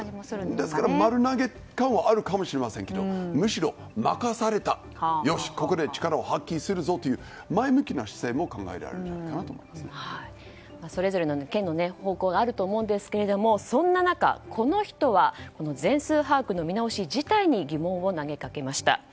ですから丸投げ感はあるかもしれませんけどむしろ任されたとよし、ここで力を発揮するぞという前向きな姿勢もそれぞれの県の方向があると思いますがそんな中、この人は全数把握の見直し自体に疑問を投げかけました。